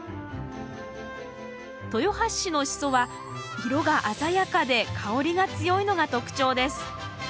豊橋市のシソは色が鮮やかで香りが強いのが特徴です。